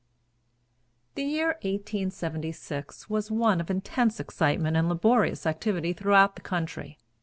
The year 1876 was one of intense excitement and laborious activity throughout the country.